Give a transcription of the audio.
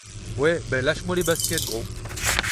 Ouais bah lâche moi les baskets gros